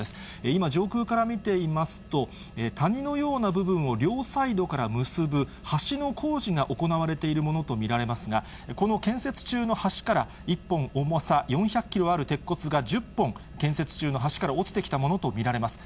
今、上空から見ていますと、谷のような部分を両サイドから結ぶ橋の工事が行われているものと見られますが、この建設中の橋から１本重さ４００キロある鉄骨が１０本、建設中の橋から落ちてきたものと見られます。